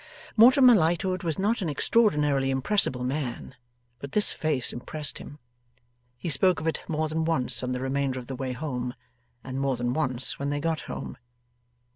Mortimer Lightwood was not an extraordinarily impressible man, but this face impressed him. He spoke of it more than once on the remainder of the way home, and more than once when they got home.